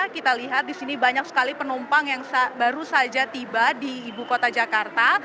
kita lihat di sini banyak sekali penumpang yang baru saja tiba di ibu kota jakarta